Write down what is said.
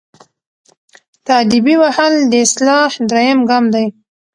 تاديبي وهل د اصلاح دریم ګام دی.